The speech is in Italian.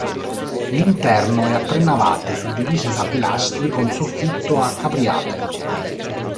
L'interno è a tre navate, suddivise da pilastri, con soffitto a capriate.